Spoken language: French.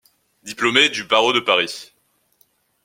Diplômée du barreau de Paris.